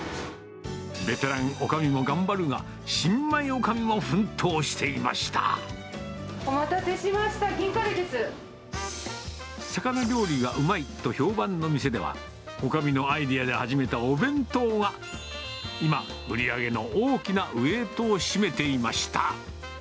ベテランおかみも頑張るが、お待たせしました、魚料理がうまいと評判の店では、おかみのアイデアで始めたお弁当が、今、売り上げの大きなウエートを占めていました。